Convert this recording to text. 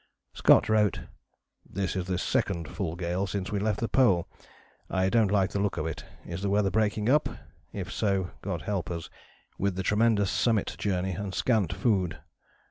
" [Scott wrote: "This is the second full gale since we left the Pole. I don't like the look of it. Is the weather breaking up? If so, God help us, with the tremendous summit journey and scant food.